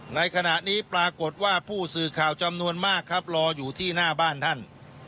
ในขณะนี้ปรากฏว่าผู้สื่อข่าวจำนวนมากครับรออยู่ที่หน้าบ้านท่าน